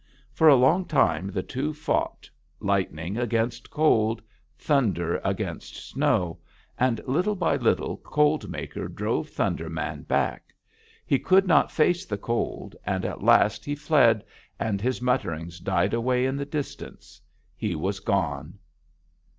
For a long time the two fought, lightning against cold, thunder against snow, and little by little Cold Maker drove Thunder Man back: he could not face the cold, and at last he fled and his mutterings died away in the distance. He was gone!